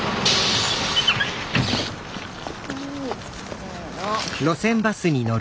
せの。